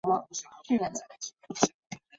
伴随大脑过程的意识经验不会产生因果效用。